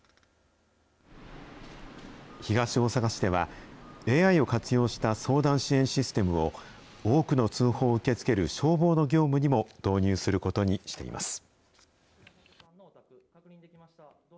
東大阪市では、ＡＩを活用した相談支援システムを、多くの通報を受け付ける消防の業務にも導入することにしています。